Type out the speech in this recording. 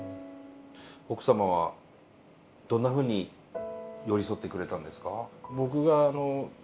奥様はどんなふうに寄り添ってくれたんですか？